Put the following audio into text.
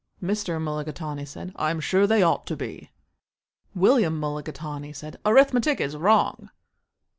Mr. Mulligatawny said, "I'm sure they ought to be." William Mulligatawny said, "Arithmetic is wrong."